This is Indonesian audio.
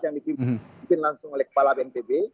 yang dipimpin langsung oleh kepala bnpb